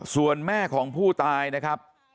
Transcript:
ส่วนแม่ของผู้ตายนะครับ